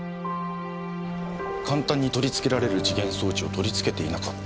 簡単に取り付けられる時限装置を取り付けていなかった。